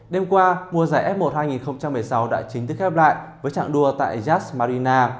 đêm qua mùa giải f một hai nghìn một mươi sáu đã chính thức khép lại với trạng đua tại jas marina